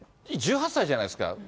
１８歳じゃないですか。